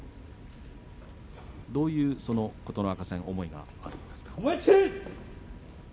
どういう思いがあるんですか？